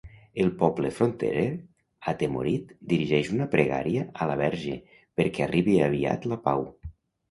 El poble fronterer, atemorit, dirigeix una pregària a la Verge perquè arribi aviat la pau.